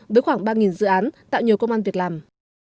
với khoảng ba dự án tạo nhiều công an việc làm